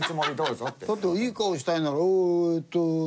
だっていい顔したいなら「えーっと何人だ？